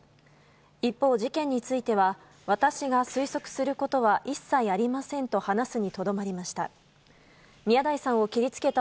一方、事件については私が推測することは一切ありませんと話すにとどまりました。